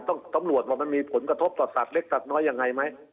ตำรวจว่ามันมีผลกระทบต่อสัตว์เล็กตัดน้อยยังไงไหม